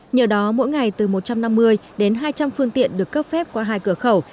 nhờ đó mỗi ngày từ một trăm năm mươi đến hai trăm linh phương tiện được cấp phép qua hai cửa khẩu